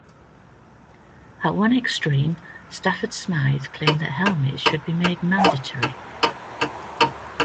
At one extreme, Stafford Smythe claimed that helmets should be made mandatory.